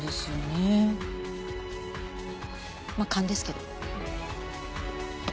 まあ勘ですけど。